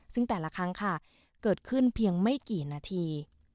ซึ่งแต่ละครั้งค่ะเกิดขึ้นเพียงไม่กี่นาที